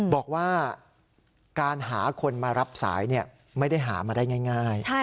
บอกว่าการหาคนมารับสายไม่ได้หามาได้ง่าย